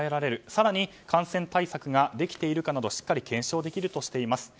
更に、感染対策ができているかなどしっかり検証できるとしています。